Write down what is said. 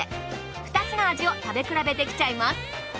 ２つの味を食べ比べできちゃいます。